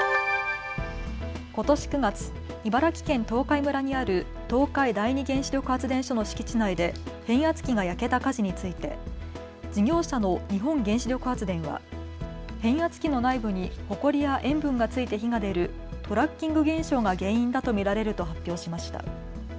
ことし９月、茨城県東海村にある東海第二原子力発電所の敷地内で変圧器が焼けた火事について事業者の日本原子力発電は変圧器の内部にほこりや塩分がついて火が出るトラッキング現象が原因だと見られると発表しました。